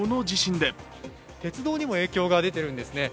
鉄道にも影響が出てるんですね。